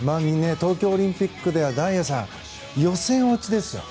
東京オリンピックでは大也さん予選落ちですよ。